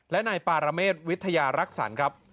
และนายปารเมษวิทยารักษรครับ